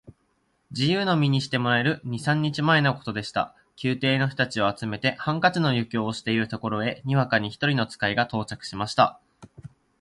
自由の身にしてもらえる二三日前のことでした。宮廷の人たちを集めて、ハンカチの余興をしているところへ、にわかに一人の使が到着しました。